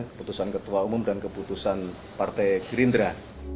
keputusan ketua umum dan keputusan partai gerindra